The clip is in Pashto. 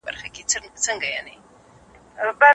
هغه ښودله چې اصفهان د ځان سپارلو په درشل کې دی.